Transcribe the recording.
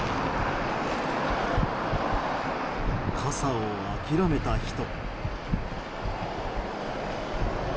傘を諦めた人。